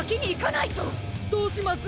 どうします？